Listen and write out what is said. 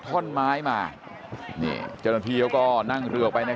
คุณยายบุญช่วยนามสกุลสุขล้ำ